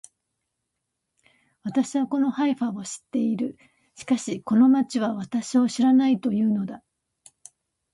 私はこのハイファを知っている。しかしこの町は私を知らないと言うのだ